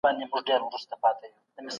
د داستاني ادبیاتو څېړنه له پخوا څخه روانه ده.